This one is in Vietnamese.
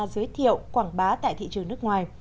giới thiệu quảng bá tại thị trường nước ngoài